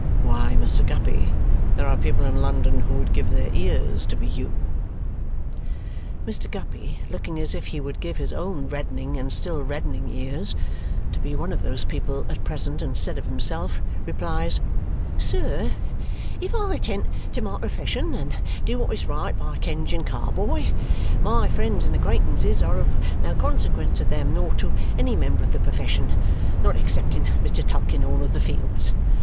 Why, Mr. Guppy, there are people in London who would give their ears to be you." Mr. Guppy, looking as if he would give his own reddening and still reddening ears to be one of those people at present instead of himself, replies, "Sir, if I attend to my profession and do what is right by Kenge and Carboy, my friends and acquaintances are of no consequence to them nor to any member of the profession, not excepting Mr. Tulkinghorn of the Fields.